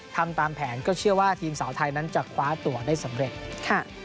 ทำตามแผนก็เชื่อว่าทีมสาวไทยนั้นจะคว้าตัวได้สำเร็จค่ะ